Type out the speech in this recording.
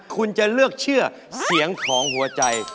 คุณจะเลือกเชื่อเสียงของหัวใจ